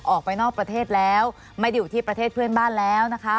ออกไปนอกประเทศแล้วไม่ได้อยู่ที่ประเทศเพื่อนบ้านแล้วนะคะ